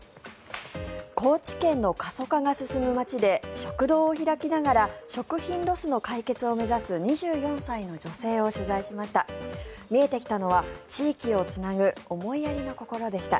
高知県の過疎化が進む町で食堂を開きながら食品ロスの解決を目指す２４歳の女性を取材しました。